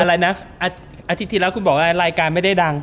อะไรนะอาทิตย์ที่แล้วคุณบอกว่ารายการไม่ได้ดัง